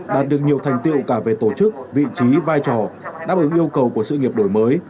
đạt được nhiều thành tiệu cả về tổ chức vị trí vai trò đáp ứng yêu cầu của sự nghiệp đổi mới